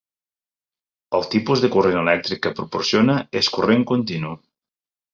El tipus de corrent elèctric que proporciona és corrent continu.